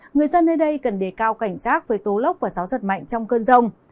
người dân nơi đây cần để cao cảnh giác với tố lốc và gió rất mạnh trong cơn rông